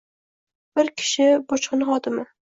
Bu kishi bojxona xodimi.